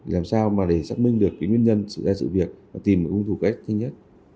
làm sao để xác minh được nguyên nhân sự ra sự việc và tìm vụ thu kết nhanh nhất